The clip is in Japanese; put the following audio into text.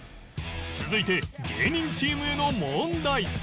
続いて芸人チームへの問題